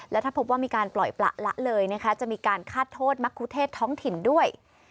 และถ้าพบว่ามีการปล่อยประละเลยนะคะจะมีการฆาตโทษมะคุเทศท้องถิ่นด้วย